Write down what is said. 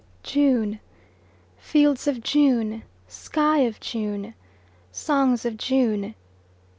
June fields of June, sky of June, songs of June.